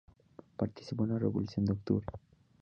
Participó en la Revolución de Octubre.